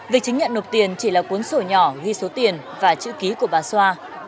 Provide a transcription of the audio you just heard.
việc chứng nhận nộp tiền chỉ là cuốn sổ nhỏ ghi số tiền và chữ ký của bà xoa